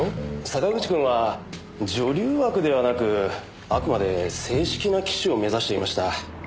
坂口くんは女流枠ではなくあくまで正式な棋士を目指していました。